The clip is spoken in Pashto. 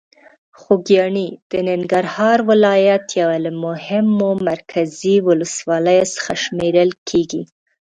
خوږیاڼي د ننګرهار ولایت یو له مهمو مرکزي ولسوالۍ څخه شمېرل کېږي.